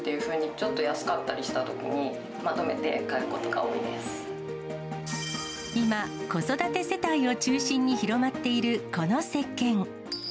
ちょっと安かったりしたときに、今、子育て世帯を中心に広まっているこのせっけん。